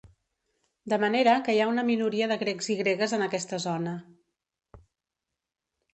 De manera que hi ha una minoria de grecs i gregues en aquesta zona.